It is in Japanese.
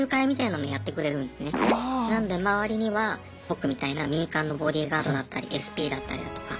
なので周りには僕みたいな民間のボディーガードだったりＳＰだったりだとか。